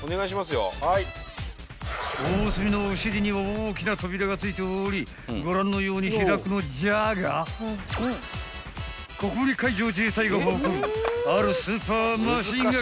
［おおすみのお尻に大きな扉がついておりご覧のように開くのじゃがここに海上自衛隊が誇るあるスーパーマシンが格納できるという］